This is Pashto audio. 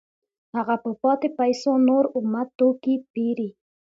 هغه په پاتې پیسو نور اومه توکي پېري